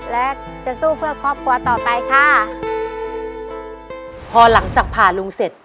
และจะสู้เพื่อครอบครัวต่อไปค่ะพอหลังจากผ่าลุงเสร็จ